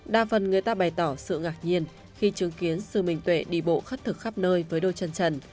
đa phần người ta bày tỏ sự ngạc nhiên khi chứng kiến sư minh tuệ đi bộ khất thực khắp nơi với đôi chân chân